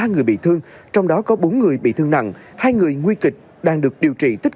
ba người bị thương trong đó có bốn người bị thương nặng hai người nguy kịch đang được điều trị tích